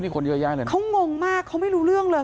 เขางงมากเขาไม่รู้เรื่องเลย